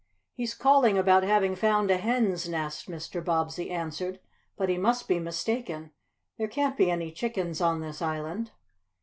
"He's calling about having found a hen's nest," Mr. Bobbsey answered, "but he must be mistaken. There can't be any chickens on this island."